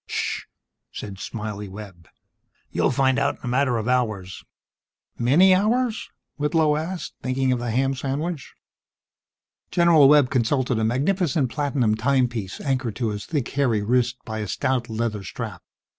"Ssssh!" said "Smiley" Webb. "You'll find out in a matter of hours." "Many hours?" Whitlow asked, thinking of the ham sandwich. General Webb consulted a magnificent platinum timepiece anchored to his thick hairy wrist by a stout leather strap.